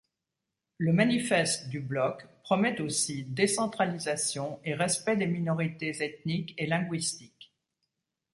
Le manifeste du bloc promet aussi décentralisation et respect des minorités ethniques et linguistiques.